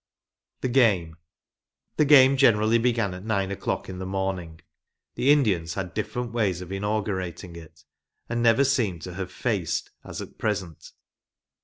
m THE GAME. The game generally began at nine o'clock in the morning. The Indians had different ways of inaugu rating it, and never seemed to have " faced " as at present.